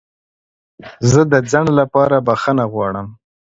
زه د ځنډ لپاره بخښنه غواړم.